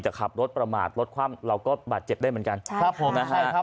จะขับรถประมาทรถคว่ำเราก็บาดเจ็บได้เหมือนกัน